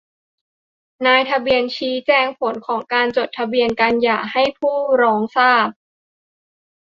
นายทะเบียนชี้แจงผลของการจดทะเบียนการหย่าให้ผู้ร้องทราบ